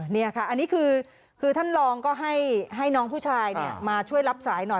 นี่ค่ะอันนี้คือท่านรองก็ให้น้องผู้ชายมาช่วยรับสายหน่อย